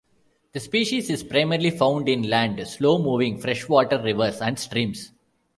The species is primarily found inland, slow-moving, freshwater rivers and streams.